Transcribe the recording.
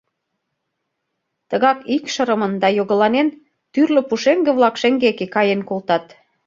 Тыгак, икшырымын да йогыланен, тӱрлӧ пушеҥге-влак шеҥгеке каен колтат.